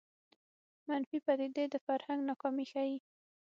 منفي پدیدې د فرهنګ ناکامي ښيي